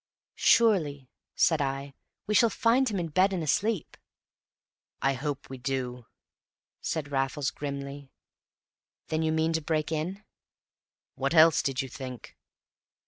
"Surely," said I, "we shall find him in bed and asleep?" "I hope we do," said Raffles grimly. "Then you mean to break in?" "What else did you think?"